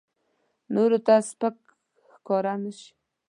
نورو ته سپک ښکاره نه شي.